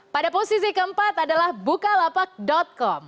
pada posisi keempat adalah bukalapak com